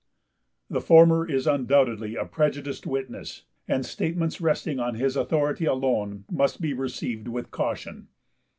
The former is undoubtedly a prejudiced witness, and statements resting on his authority alone must be received with caution.